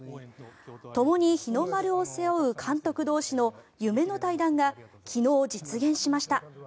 ともに日の丸を背負う監督同士の夢の対談が昨日、実現しました。